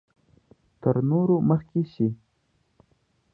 تر نورو مخکې شي.